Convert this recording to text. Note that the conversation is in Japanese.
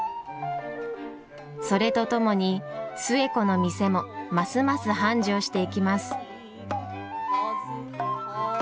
それとともに寿恵子の店もますます繁盛していきます。